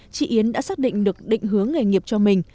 chị yến đã xác định được định hướng nghề nghiệp cho mình